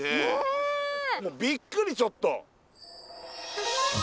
びっくりちょっと。